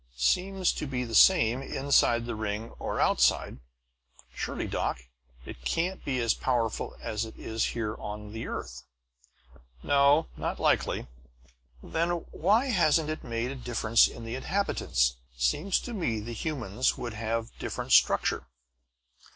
"Seems to be the same, inside the ring or outside. Surely, doc it can't be as powerful as it is here on the earth?" "No; not likely." "Then, why hasn't it made a difference in the inhabitants? Seems to me the humans would have different structure."